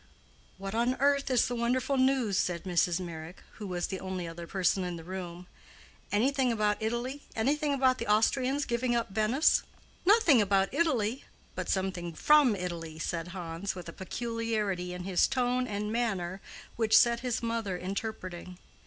"What on earth is the wonderful news?" said Mrs. Meyrick, who was the only other person in the room. "Anything about Italy—anything about the Austrians giving up Venice?" "Nothing about Italy, but something from Italy," said Hans, with a peculiarity in his tone and manner which set his mother interpreting.